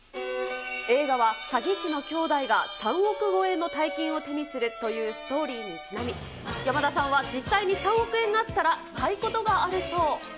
映画は、詐欺師のきょうだいが３億超えの大金を手にするというストーリーにちなみ、山田さんは実際に３億円があったら、したいことがあるそう。